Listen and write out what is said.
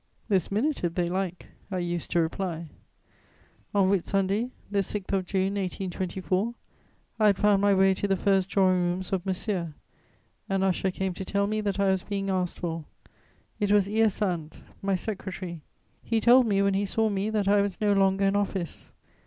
"This minute, if they like," I used to reply. On Whitsunday, the 6th of June 1824, I had found my way to the first drawing rooms of Monsieur: an usher came to tell me that I was being asked for. It was Hyacinthe, my secretary. He told me, when he saw me, that I was no longer in office.